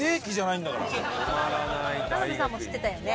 田辺さんも知ってたよね？